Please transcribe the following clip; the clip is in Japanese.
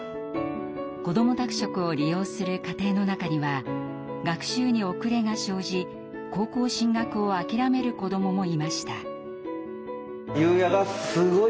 こども宅食を利用する家庭の中には学習に遅れが生じ高校進学を諦める子どももいました。